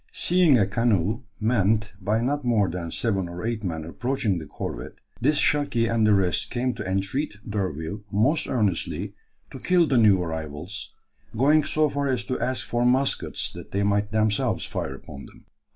Seeing a canoe manned by not more than seven or eight men approaching the corvette, this "Shaki" and the rest came to entreat D'Urville most earnestly to kill the new arrivals, going so far as to ask for muskets that they might themselves fire upon them.